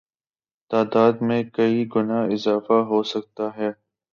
تعداد میں کئی گنا اضافہ ہوسکتا ہے